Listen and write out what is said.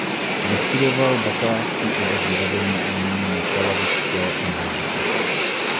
Vystudoval bakalářský obor divadelní umění na Telavivské univerzitě.